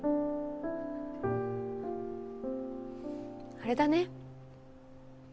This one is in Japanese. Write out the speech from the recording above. あれだね。